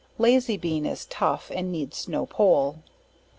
Lazy Bean, is tough, and needs no pole.